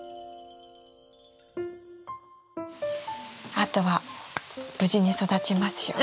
あとは無事に育ちますように。